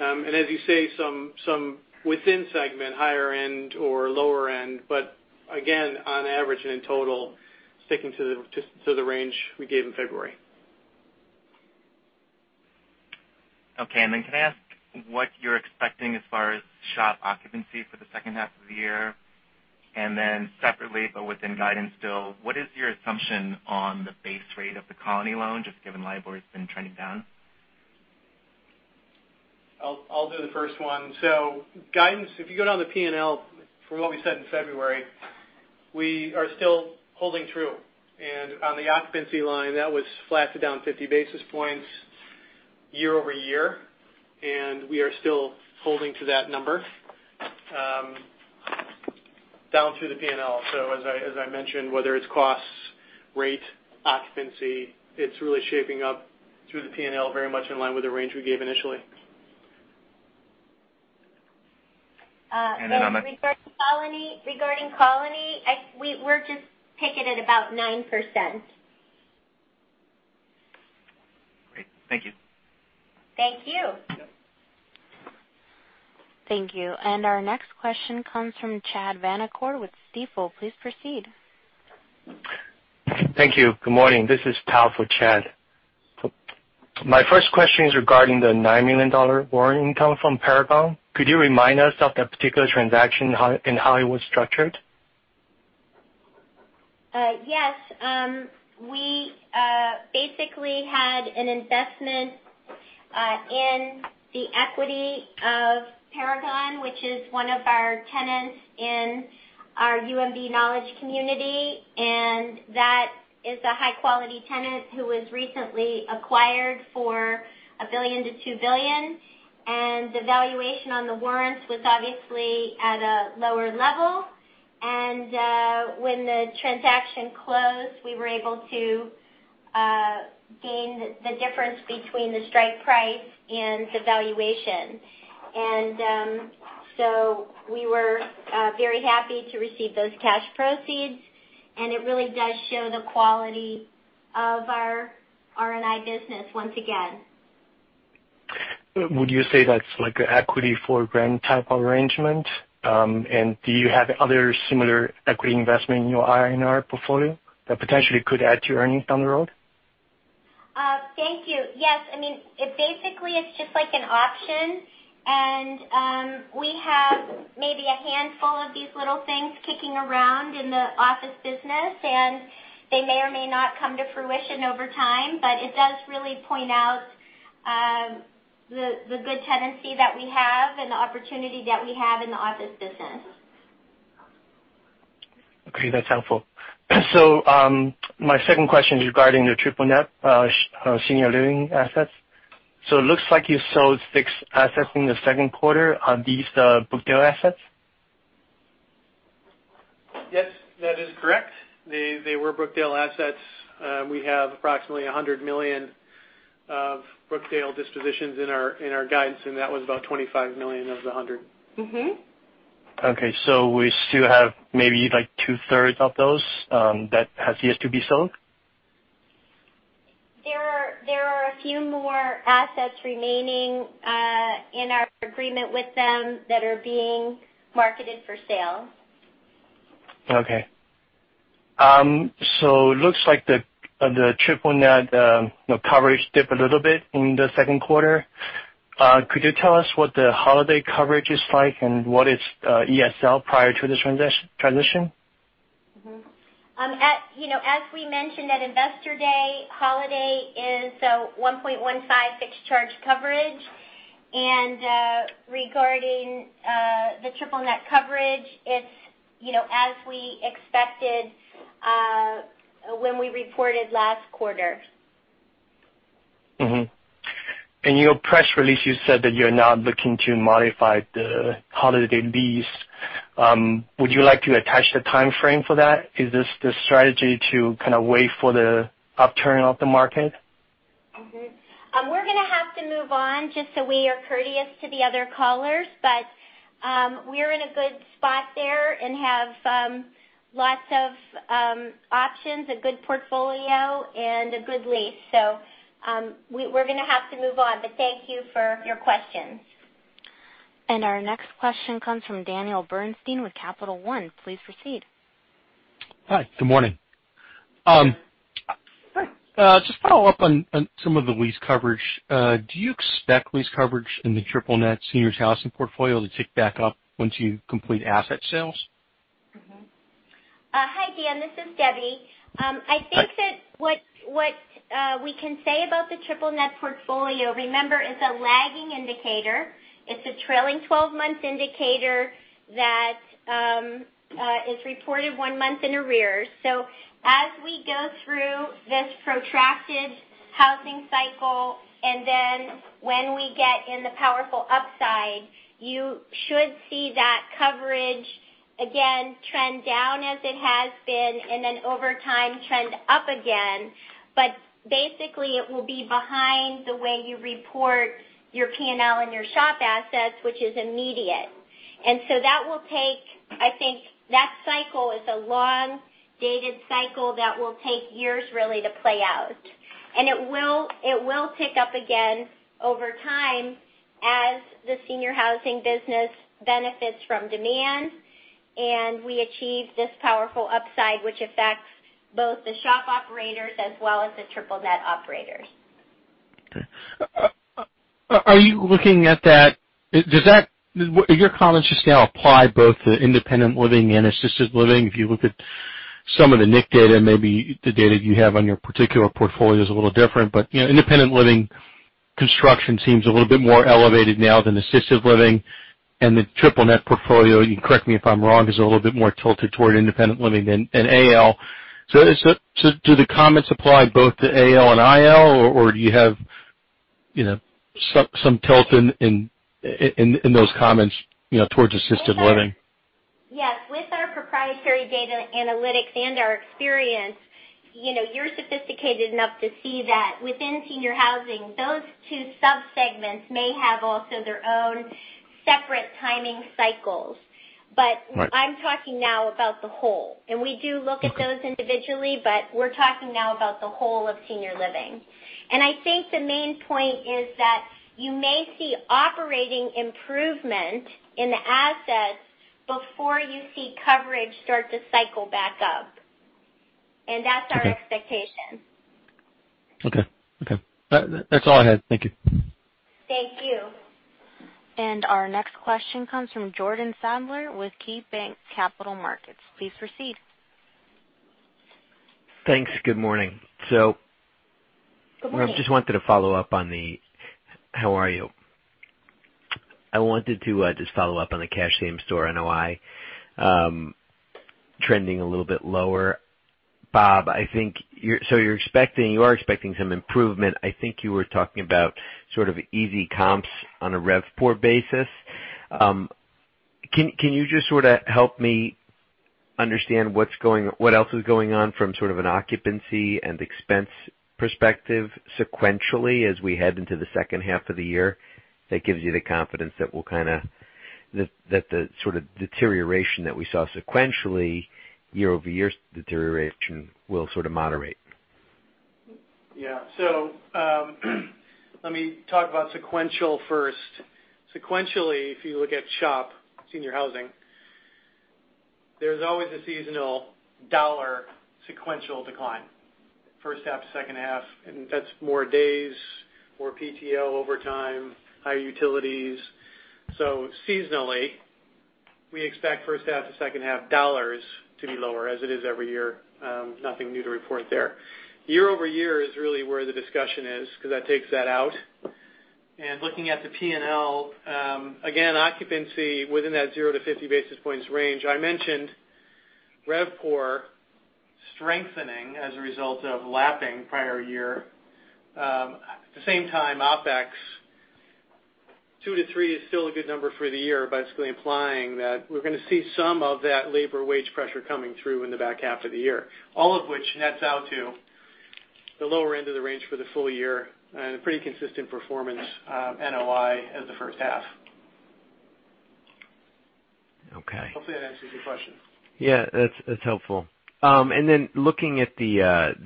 As you say, some within segment, higher end or lower end, again, on average and in total, sticking to the range we gave in February. Can I ask what you're expecting as far as SHOP occupancy for the second half of the year? Separately, but within guidance still, what is your assumption on the base rate of the Colony loan, just given LIBOR's been trending down? Guidance, if you go down the P&L from what we said in February, we are still holding true. On the occupancy line, that was flat to down 50 basis points year-over-year, and we are still holding to that number. Down through the P&L. As I mentioned, whether it's costs, rate, occupancy, it's really shaping up through the P&L very much in line with the range we gave initially. And then on the. Regarding Colony, we're just picking at about 9%. Great. Thank you. Thank you. Thank you. Our next question comes from Chad Vanacore with Stifel. Please proceed. Thank you. Good morning. This is Tao for Chad. My first question is regarding the $9 million warrant income from Paragon. Could you remind us of that particular transaction and how it was structured? Yes. We basically had an investment in the equity of Paragon, which is one of our tenants in our UMB Knowledge community. That is a high-quality tenant who was recently acquired for $1 billion-$2 billion. The valuation on the warrants was obviously at a lower level. When the transaction closed, we were able to gain the difference between the strike price and the valuation. We were very happy to receive those cash proceeds, and it really does show the quality of our R&I business once again. Would you say that's like an equity for grant type of arrangement? Do you have other similar equity investment in your R&I portfolio that potentially could add to your earnings down the road? Thank you. Yes. Basically, it's just like an option. We have maybe a handful of these little things kicking around in the Office business, and they may or may not come to fruition over time, but it does really point out the good tenancy that we have and the opportunity that we have in the Office business. Okay, that's helpful. My second question is regarding the triple-net senior living assets. It looks like you sold six assets in the Q2. Are these the Brookdale assets? Yes, that is correct. They were Brookdale assets. We have approximately $100 million of Brookdale dispositions in our guidance. That was about $25 million of the $100 million. Okay, we still have maybe 2/3 of those that has yet to be sold? There are a few more assets remaining in our agreement with them that are being marketed for sale. Okay. It looks like the triple-net coverage dipped a little bit in the Q2. Could you tell us what the Holiday coverage is like and what its ESL prior to this transition? As we mentioned at Investor Day, Holiday is a 1.15 fixed charge coverage. Regarding the triple-net coverage, it's as we expected when we reported last quarter. In your press release, you said that you're now looking to modify the Holiday lease. Would you like to attach a timeframe for that? Is this the strategy to kind of wait for the upturn of the market? We're gonna have to move on just so we are courteous to the other callers, but we're in a good spot there and have lots of options, a good portfolio, and a good lease. We're gonna have to move on. Thank you for your questions. Our next question comes from Daniel Bernstein with Capital One. Please proceed. Hi. Good morning. Just to follow-up on some of the lease coverage. Do you expect lease coverage in the triple-net seniors housing portfolio to tick back up once you complete asset sales? Hi, Dan. This is Debbie. I think that what we can say about the triple-net portfolio, remember, it's a lagging indicator. It's a trailing 12-month indicator that is reported one month in arrears. As we go through this protracted housing cycle, and then when we get in the powerful upside, you should see that coverage again trend down as it has been, and then over time trend up again. Basically it will be behind the way you report your P&L and your SHOP assets, which is immediate. I think that cycle is a long dated cycle that will take years really to play out. It will tick up again over time as the senior housing business benefits from demand, and we achieve this powerful upside, which affects both the SHOP operators as well as the triple-net operators. Okay. Your comments just now apply both to independent living and assisted living. If you look at some of the NIC data, maybe the data you have on your particular portfolio is a little different, but independent living construction seems a little bit more elevated now than assisted living, and the triple-net portfolio, you can correct me if I'm wrong, is a little bit more tilted toward independent living than in AL. Do the comments apply both to AL and IL, or do you have some tilt in those comments towards assisted living? Yes. With our proprietary data analytics and our experience, you're sophisticated enough to see that within senior housing, those two sub-segments may have also their own separate timing cycles. I'm talking now about the whole, and we do look at those individually, but we're talking now about the whole of senior living. I think the main point is that you may see operating improvement in the assets before you see coverage start to cycle back up. That's our expectation. Okay. That's all I had. Thank you. Thank you. Our next question comes from Jordan Sadler with KeyBanc Capital Markets. Please proceed. Thanks. Good morning. Good morning. I wanted to just follow-up on the same store cash NOI, trending a little bit lower. Bob, you are expecting some improvement. I think you were talking about sort of easy comps on a RevPOR basis. Can you just sort of help me understand what else is going on from sort of an occupancy and expense perspective sequentially as we head into the second half of the year, that gives you the confidence that the sort of deterioration that we saw sequentially year-over-year deterioration will sort of moderate? Let me talk about sequential first. Sequentially, if you look at SHOP, senior housing, there's always a seasonal dollar sequential decline. First half to second half, that's more days, more PTO overtime, higher utilities. Seasonally, we expect first half to second half dollars to be lower as it is every year. Nothing new to report there. Year-over-year is really where the discussion is, because that takes that out. Looking at the P&L, again, occupancy within that 0-50 basis points range. I mentioned RevPOR strengthening as a result of lapping prior year. At the same time, OpEx two to three is still a good number for the year, basically implying that we're going to see some of that labor wage pressure coming through in the back half of the year. All of which nets out to the lower end of the range for the full-year and a pretty consistent performance, NOI as the first half. Okay. Hopefully that answers your question. Yeah. That's helpful. Looking at the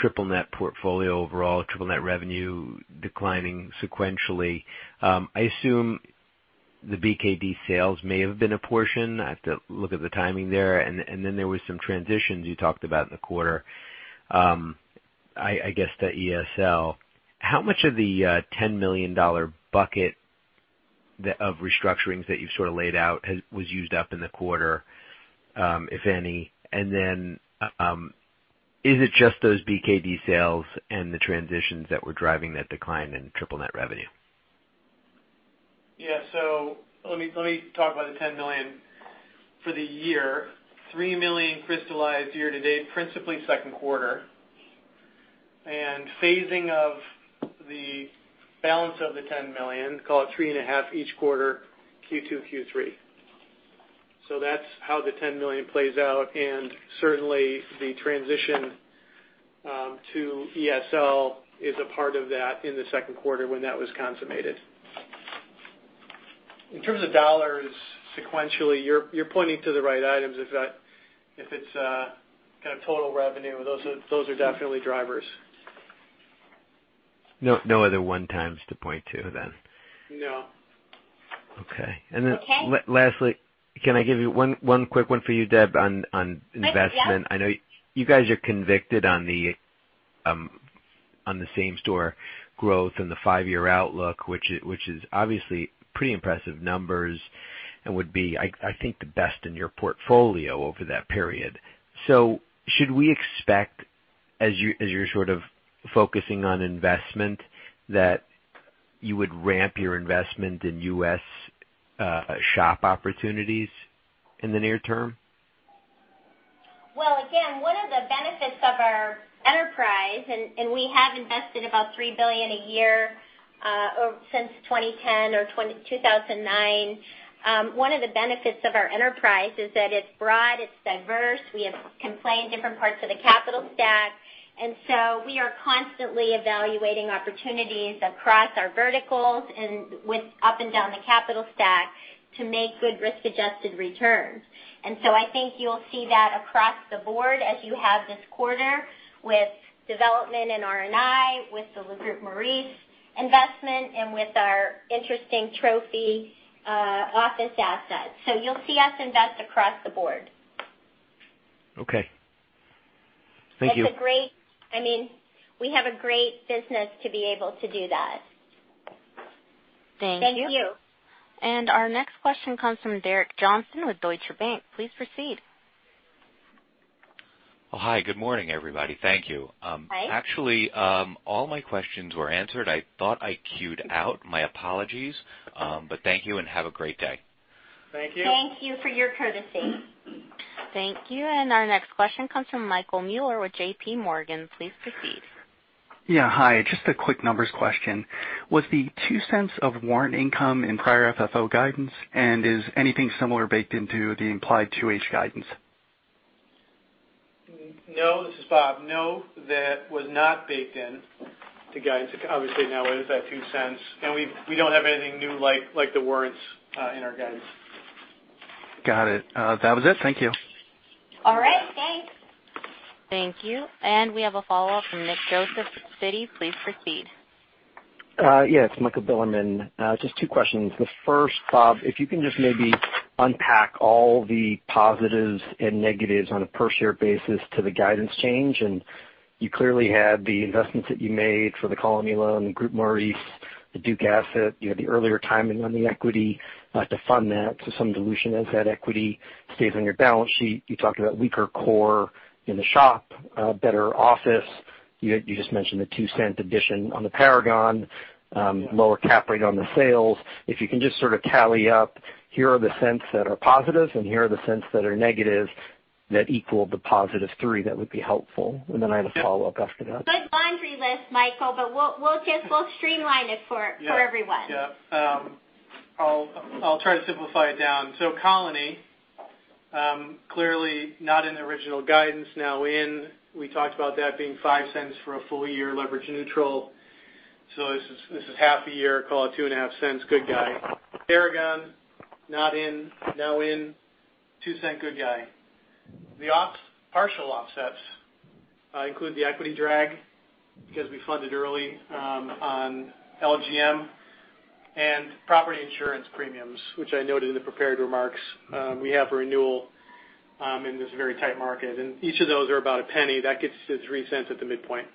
triple-net portfolio overall, triple-net revenue declining sequentially. I assume the BKD sales may have been a portion. I have to look at the timing there. There was some transitions you talked about in the quarter. I guess the ESL, how much of the $10 million bucket of restructurings that you've sort of laid out was used up in the quarter? If any, is it just those BKD sales and the transitions that were driving that decline in triple-net revenue? Yeah. Let me talk about the $10 million. For the year, $3 million crystallized year-to-date, principally Q2, and phasing of the balance of the $10 million, call it $3.5 million each quarter, Q2, Q3. That's how the $10 million plays out, and certainly the transition to ESL is a part of that in the Q2 when that was consummated. In terms of dollars sequentially, you're pointing to the right items. If it's kind of total revenue, those are definitely drivers. No other one times to point to then? No. Okay. Okay. Lastly, can I give you one quick one for you, Debbie, on investment? Yeah. I know you guys are convicted on the same-store growth and the five-year outlook, which is obviously pretty impressive numbers and would be, I think, the best in your portfolio over that period. Should we expect, as you're sort of focusing on investment, that you would ramp your investment in U.S. SHOP opportunities in the near-term? Well, again, one of the benefits of our enterprise, and we have invested about $3 billion a year or since 2010 or 2009. One of the benefits of our enterprise is that it's broad, it's diverse. We can play in different parts of the capital stack. We are constantly evaluating opportunities across our verticals and with up and down the capital stack to make good risk-adjusted returns. I think you'll see that across the board as you have this quarter with development in R&I, with the Groupe Maurice investment, and with our interesting trophy office assets. You'll see us invest across the board. Okay. Thank you. We have a great business to be able to do that. Thank you. Thank you. Our next question comes from Derek Johnston with Deutsche Bank. Please proceed. Oh, hi. Good morning, everybody. Thank you. Hi. Actually, all my questions were answered. I thought I queued out. My apologies. Thank you and have a great day. Thank you. Thank you for your courtesy. Thank you. Our next question comes from Michael Mueller with J.P. Morgan. Please proceed. Yeah, hi. Just a quick numbers question. Was the $0.02 of warrant income in prior FFO guidance, and is anything similar baked into the implied 2H guidance? No, this is Bob. No, that was not baked in to guidance. Obviously, now it is that $0.02. We don't have anything new like the warrants in our guidance. Got it. That was it. Thank you. All right, thanks. Thank you. We have a follow-up from Nick Joseph at Citi. Please proceed. Yeah, it's Michael Bilerman. Just two questions. The first, Bob, if you can just maybe unpack all the positives and negatives on a per-share basis to the guidance change. You clearly had the investments that you made for the Colony loan, Groupe Maurice, the Duke asset. You had the earlier timing on the equity to fund that. Some dilution as that equity stays on your balance sheet. You talked about weaker core in the SHOP, better Office. You just mentioned the $0.02 addition on the Paragon, lower cap rate on the sales. If you can just sort of tally up, here are the $0.01 that are positive, and here are the $0.01 that are negative, that equal the +$0.03, that would be helpful. Then I have a follow-up after that. Good laundry list, Michael. We'll streamline it for everyone. Yeah. I'll try to simplify it down. Colony, clearly not in the original guidance. Now in. We talked about that being $0.05 for a full-year leverage neutral. This is half a year, call it $0.025. Good guy. Paragon, not in, now in, $0.02 good guy. The partial offsets include the equity drag because we funded early on LGM and property insurance premiums, which I noted in the prepared remarks. We have a renewal in this very tight market, each of those are about $0.01. That gets us $0.03 at the midpoint.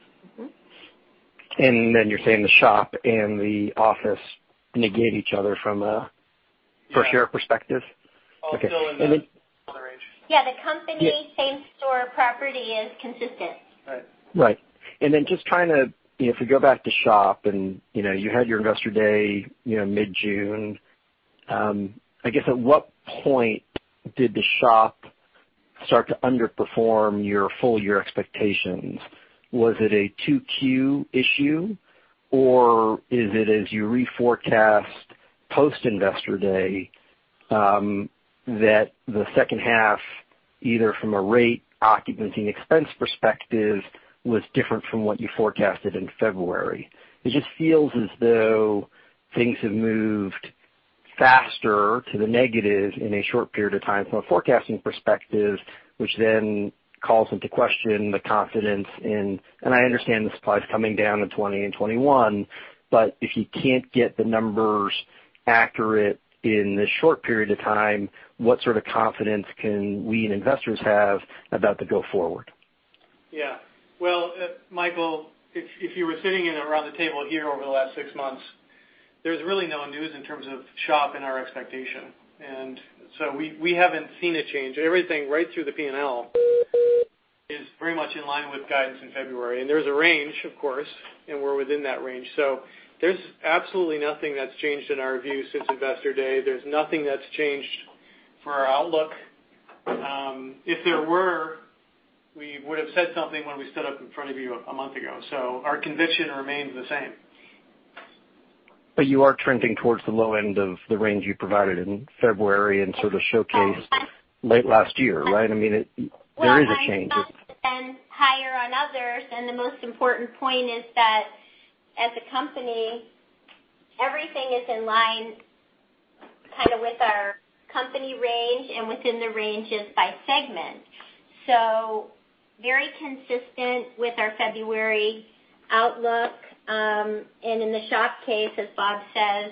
You're saying the SHOP and the office negate each other from a per-share perspective? Okay. All still in that moderation. Yeah. The company same-store property is consistent. Right. Then just kind of if we go back to SHOP and you had your Investor Day mid-June. I guess at what point did the SHOP start to underperform your full-year expectations? Was it a 2Q issue, or is it as you reforecast post-Investor Day, that the second half, either from a rate occupancy and expense perspective, was different from what you forecasted in February? It just feels as though things have moved faster to the negative in a short period of time from a forecasting perspective, which then calls into question the confidence in I understand the supply's coming down in 2020 and 2021, if you can't get the numbers accurate in this short period of time, what sort of confidence can we and investors have about the go forward? Yeah. Well, Michael, if you were sitting in around the table here over the last six months, there's really no news in terms of SHOP and our expectation. We haven't seen a change. Everything right through the P&L is very much in line with guidance in February. There's a range, of course, and we're within that range. There's absolutely nothing that's changed in our view since Investor Day. There's nothing that's changed for our outlook. If there were, we would've said something when we stood up in front of you a month ago. Our conviction remains the same. You are trending towards the low end of the range you provided in February and sort of showcased late last year, right? Well, high some and higher on others. The most important point is that as a company, everything is in line kind of with our company range and within the ranges by segment. Very consistent with our February outlook. In the SHOP case, as Bob says,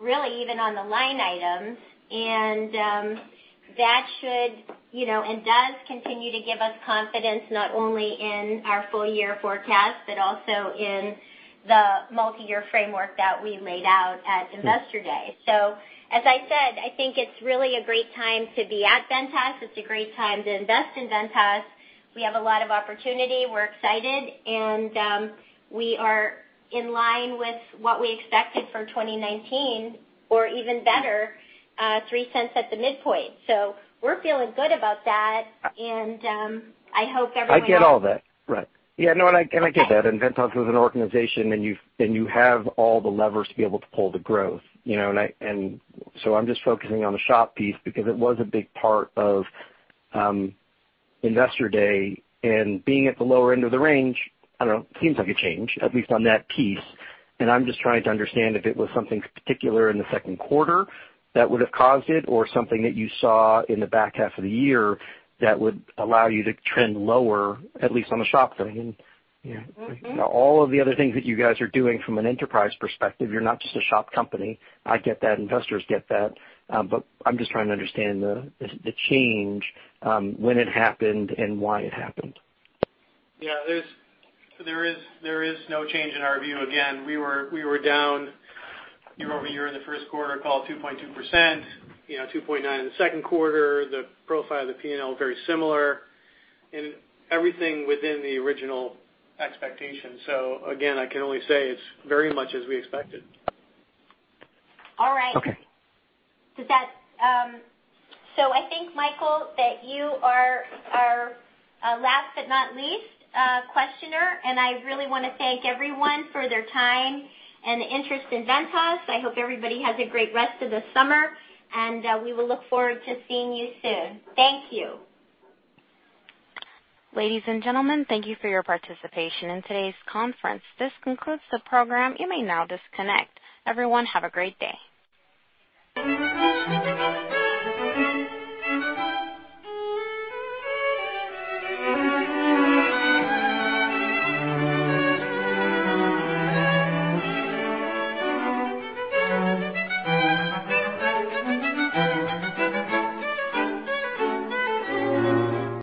really even on the line items, and that should and does continue to give us confidence not only in our full-year forecast but also in the multiyear framework that we laid out at Investor Day. As I said, I think it's really a great time to be at Ventas. It's a great time to invest in Ventas. We have a lot of opportunity. We're excited, and we are in line with what we expected for 2019 or even better, $0.03 at the midpoint. We're feeling good about that, and I hope everyone else. I get all that. Right. Yeah, no, I get that. Ventas is an organization and you have all the levers to be able to pull to growth. I'm just focusing on the SHOP piece because it was a big part of Investor Day, and being at the lower end of the range, I don't know, seems like a change, at least on that piece. I'm just trying to understand if it was something particular in the Q2 that would've caused it or something that you saw in the back half of the year that would allow you to trend lower, at least on the SHOP thing. All of the other things that you guys are doing from an enterprise perspective, you're not just a SHOP company. I get that. Investors get that. I'm just trying to understand the change, when it happened and why it happened. There is no change in our view. We were down year-over-year in the Q1, call it 2.2%, 2.9% in the Q2. The profile of the P&L, very similar and everything within the original expectation. Again, I can only say it's very much as we expected. All right. Okay. I think, Michael, that you are our last but not least questioner, and I really want to thank everyone for their time and the interest in Ventas. I hope everybody has a great rest of the summer, and we will look forward to seeing you soon. Thank you. Ladies and gentlemen, thank you for your participation in today's conference. This concludes the program. You may now disconnect. Everyone, have a great day.